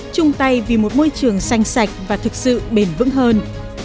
chung tay vì một môi trường xanh sạch và thực sự bền vững hơn